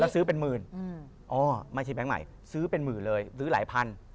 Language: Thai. ซื้อเป็นหมื่นอ๋อไม่ใช่แบงค์ใหม่ซื้อเป็นหมื่นเลยซื้อหลายพัน